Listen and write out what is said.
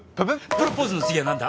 プロポーズの次はなんだ？